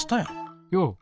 よう。